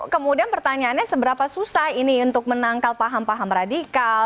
kemudian pertanyaannya seberapa susah ini untuk menangkal paham paham radikal